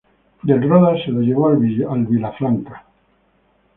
Del Roda se lo llevó al Vilafranca.